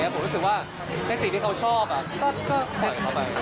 ผมรู้สึกว่าในสิ่งที่เขาชอบก็ปล่อยเขาไป